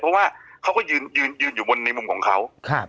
เพราะว่าเขาก็ยืนยืนอยู่บนในมุมของเขา